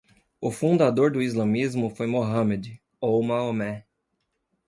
O fundador do islamismo foi Mohammad, ou Maomé